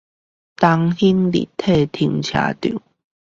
東興立體停車場